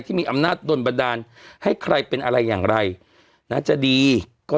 ที่มีอำนาจโดนบันดาลให้ใครเป็นอะไรอย่างไรนะจะดีก็